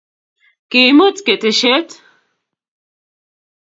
Kiimut keteshet